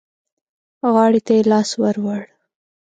غاړې ته يې لاس ور ووړ.